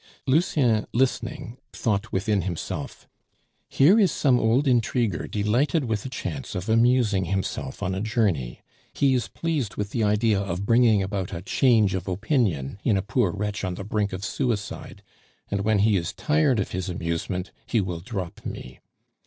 '" Lucien, listening, thought within himself, "Here is some old intriguer delighted with a chance of amusing himself on a journey. He is pleased with the idea of bringing about a change of opinion in a poor wretch on the brink of suicide; and when he is tired of his amusement, he will drop me.